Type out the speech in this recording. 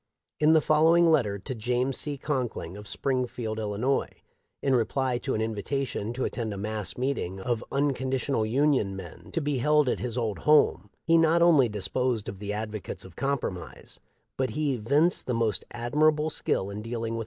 In the following letter to James C. Conkling* of Springfield, 111., in reply to an invitation to attend a mass meeting of " Unconditional Union " men to be held at his old home, he not only disposed of the ad vocates of compromise, but he evinced the most admirable skill in dealing with the questions of the day; *" Springfield, III.